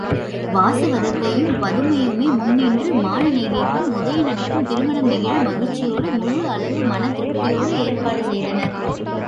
வாசவதத்தையும் பதுமையுமே முன் நின்று, மானனீகைக்கும் உதயணனுக்கும் திருமணம் நிகழ மகிழ்ச்சியோடும் முழுஅளவு மனத் திருப்தியோடும் ஏற்பாடு செய்தனர்.